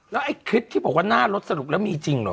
แล้วไอ้คลิปที่บอกว่าหน้ารถสรุปแล้วมีจริงเหรอ